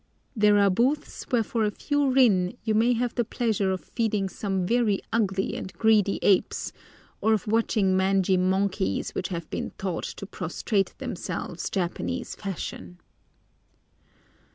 There are booths where for a few rin you may have the pleasure of feeding some very ugly and greedy apes, or of watching mangy monkeys which have been taught to prostrate themselves Japanese fashion.